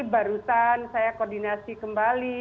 barusan saya koordinasi kembali